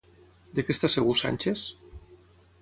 De què està segur Sánchez?